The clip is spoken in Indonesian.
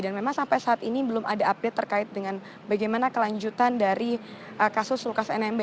dan memang sampai saat ini belum ada update terkait dengan bagaimana kelanjutan dari kasus lukas nmb